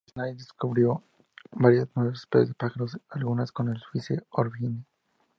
Lafresnaye describió varias nuevas especies de pájaros, algunas con Alcide d'Orbigny.